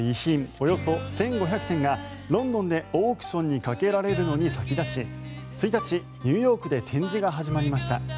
およそ１５００点がロンドンでオークションにかけられるのに先立ち１日、ニューヨークで展示が始まりました。